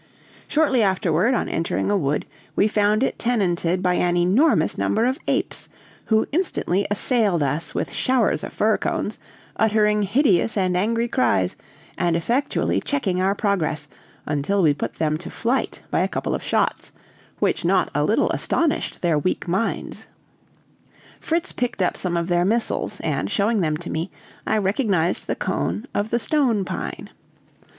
Shortly afterward, on entering a wood, we found it tenanted by an enormous number of apes, who instantly assailed us, with showers of fir cones, uttering hideous and angry cries, and effectually checking our progress, until we put them to flight by a couple of shots, which not a little astonished their weak minds. Fritz picked up some of their missiles, and, showing them to me, I recognized the cone of the stone pine.